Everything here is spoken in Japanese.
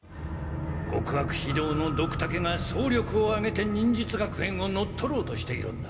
極悪非道のドクタケが総力をあげて忍術学園を乗っ取ろうとしているんだ。